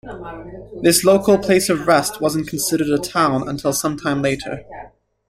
This local place of rest wasn't considered a town until some time later.